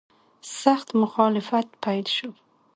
سخت مخالفت پیل شو.